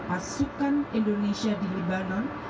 pasukan indonesia di libanon